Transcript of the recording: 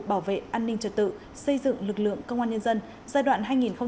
bảo vệ an ninh trật tự xây dựng lực lượng công an nhân dân giai đoạn hai nghìn một mươi sáu hai nghìn hai mươi năm